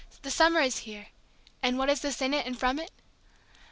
the summer is here! and what is this in it and from it?